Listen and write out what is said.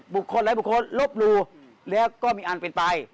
บุคคลอะไรบุคคลลบรูแล้วก็มีอันเป็นไป